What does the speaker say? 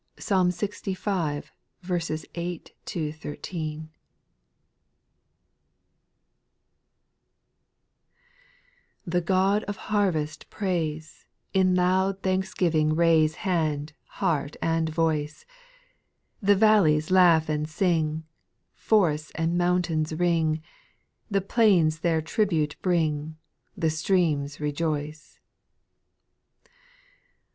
Psalm Ixv. 8 13. 1. rpHE God of harvest praise, X In loud thanksgiving raise Hand, heart and voice ; The valleys laugh and sing. Forests and mountains ring, The plains their tribute bring, The streams rejoice.